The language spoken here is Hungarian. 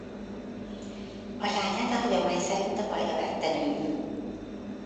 A lányát a hagyomány szerint a vajda vette nőül.